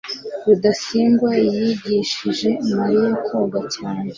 rudasingwa yigishije mariya koga cyane